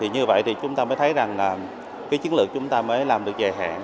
như vậy thì chúng ta mới thấy rằng chiến lược chúng ta mới làm được dài hạn